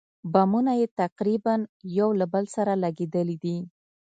بامونه یې تقریباً یو له بل سره لګېدلي دي.